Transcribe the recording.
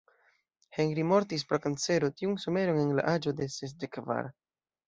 Henri mortis pro kancero tiun someron en la aĝo de sesdek kvar.